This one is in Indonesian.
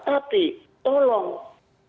dan memutus suatu perjuangan